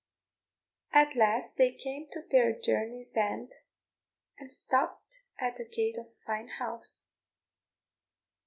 At last they came to their journey's end, and stopped at the gate of a fine house.